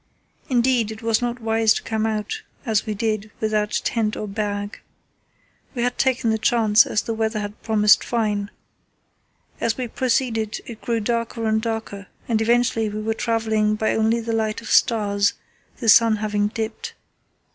Indeed it was not wise to come out as we did without tent or bag. We had taken the chance, as the weather had promised fine. As we proceeded it grew darker and darker, and eventually we were travelling by only the light of stars, the sun having dipped.